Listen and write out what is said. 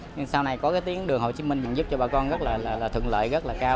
nhưng sau này có cái tiếng đường hồ chí minh mình giúp cho bà con là thượng lợi rất là cao